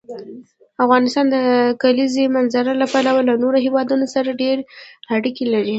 افغانستان د کلیزو منظره له پلوه له نورو هېوادونو سره ډېرې اړیکې لري.